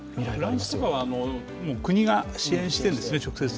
来日とかは国が支援してるんですよね、直接。